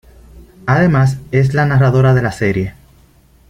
Además, es la narradora de la serie.